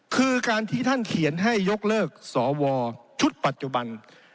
คือการที่ท่านเขียนให้ยกเลิกสวชุดปัจจุบัน